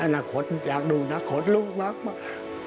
อนาคตอยากดูอนาคตลูกมาก